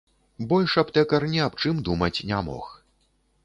Больш аптэкар ні аб чым думаць не мог.